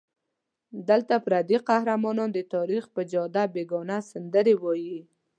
دلته پردي قهرمانان د تاریخ پر جاده بېګانه سندرې وایي.